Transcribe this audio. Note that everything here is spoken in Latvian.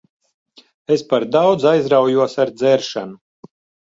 Es par daudz aizraujos ar dzeršanu.